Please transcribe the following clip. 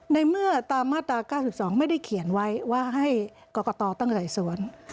ในเมื่อตามมาตรา๙๒ไม่ได้เขียนไว้ว่าให้กรกตตั้งหลายสวน